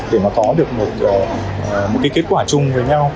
để mà có được một cái kết quả chung với nhau